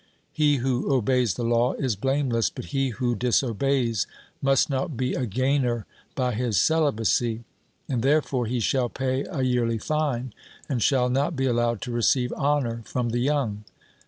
He who obeys the law is blameless, but he who disobeys must not be a gainer by his celibacy; and therefore he shall pay a yearly fine, and shall not be allowed to receive honour from the young.